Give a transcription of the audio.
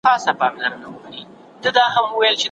ستراحمدشاه ابدالي یو پیاوړی شخصیت و.